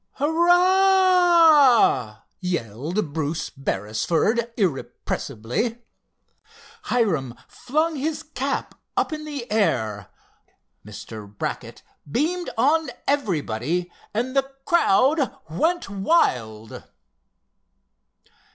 "Hurrah!" yelled Bruce Beresford irrepressibly. Hiram flung his cap up in the air. Mr. Brackett beamed on everybody, and the crowd went wild.